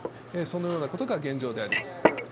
そのようなことが現状であります。